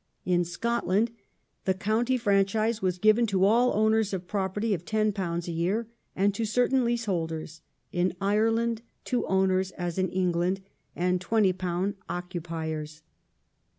In Scotland the county franchise was given to all owners of property of £10 a year and to certain lease holders ; in Ireland to ownei s as in England and £20 occupiers.